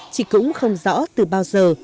chị cũng không rõ từ bao giờ